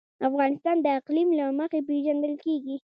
افغانستان د اقلیم له مخې پېژندل کېږي.